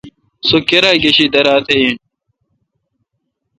سو کیرا گشی دیراتھ این۔